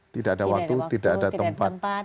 tidak ada waktu tidak ada tempat